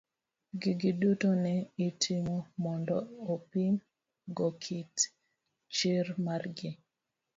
Gigi duto ne itomo mondo opim go kit chir mar gi.